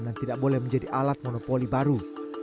dan tidak boleh menjadi alat monopoli baru